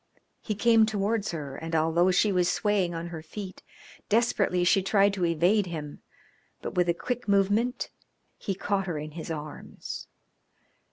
He came towards her, and although she was swaying on her feet, desperately she tried to evade him, but with a quick movement he caught her in his arms.